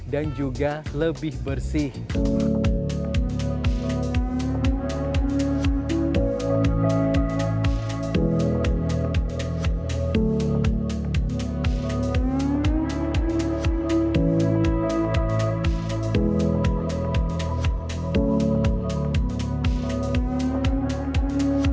dan juga lebih bersih